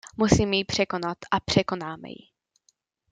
Musíme ji překonat a překonáme ji.